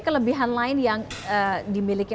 kelebihan lain yang dimiliki